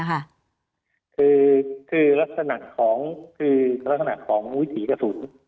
คือลักษณะของวิธีกระสุน